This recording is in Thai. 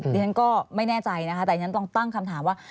ดิฉันก็ไม่แน่ใจนะคะแต่อันนั้นต้องตั้งคำถามว่า